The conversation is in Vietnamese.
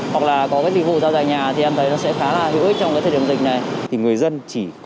hoặc là có cái dịch vụ giao dài nhà thì em thấy nó sẽ khá là hữu ích trong cái thời điểm dịch này